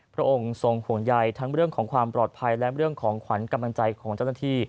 พระองค์ทรงห่วงใยทั้งเรื่องของความปลอดภัยและเรื่องของขวัญกำลังใจของเจ้าหน้าที่